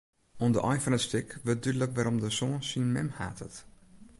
Oan de ein fan it stik wurdt dúdlik wêrom de soan syn mem hatet.